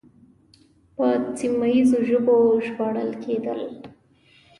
په سیمه ییزو ژبو ژباړل کېدل